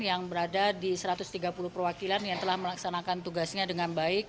yang berada di satu ratus tiga puluh perwakilan yang telah melaksanakan tugasnya dengan baik